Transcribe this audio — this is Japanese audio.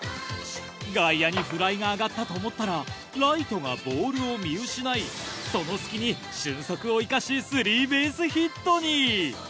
外野にフライが上がったと思ったらライトがボールを見失いその隙に俊足を生かし。